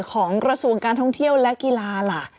ของกระทรวงการท่องเที่ยวและกีฬาล่ะ